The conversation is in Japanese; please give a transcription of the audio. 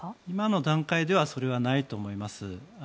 今の段階ではそれはないと思います。